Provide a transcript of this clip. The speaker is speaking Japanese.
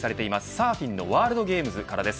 サーフィンワールドゲームズからです。